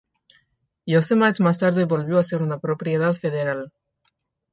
Yosemite más tarde volvió a ser una propiedad federal.